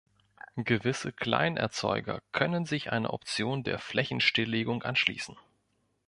Gewisse Kleinerzeuger können sich einer Option der Flächenstillegung anschließen.